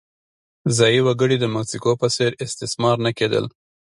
ځايي وګړي د مکسیکو په څېر استثمار نه کېدل.